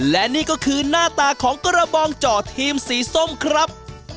และนี่ก็คือหน้าตาของกระบองเจาะทีมสีส้มครับ